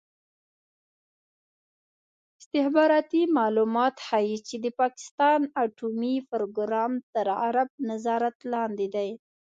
استخباراتي معلومات ښيي چې د پاکستان اټومي پروګرام تر غرب نظارت لاندې دی.